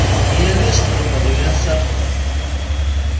Yal ass d lqeḍyan s axxam.